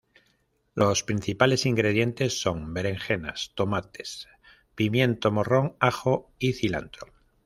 Los principales ingredientes son berenjenas, tomates, pimiento morrón, ajo y cilantro.